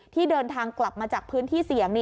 ที่เดินทางกลับมาจากพื้นที่เสี่ยง